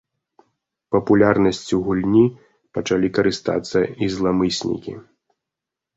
Папулярнасцю гульні пачалі карыстацца і зламыснікі.